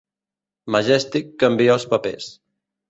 Majestyk canvia els papers.